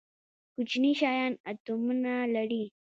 کوچني شیان اتومونه لري